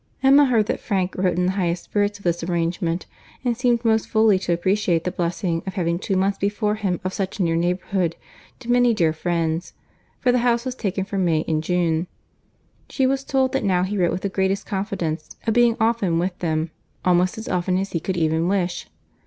Emma heard that Frank wrote in the highest spirits of this arrangement, and seemed most fully to appreciate the blessing of having two months before him of such near neighbourhood to many dear friends—for the house was taken for May and June. She was told that now he wrote with the greatest confidence of being often with them, almost as often as he could even wish.